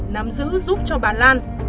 nắm giữ giúp cho bà lan